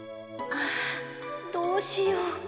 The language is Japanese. あどうしよう。